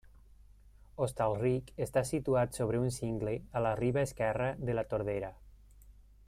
Hostalric està situat sobre un cingle a la riba esquerra de la Tordera.